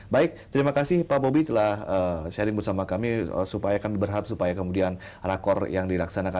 baik terima kasih pak bobi telah sharing bersama kami supaya kami berharap supaya kemudian rakor yang dilaksanakan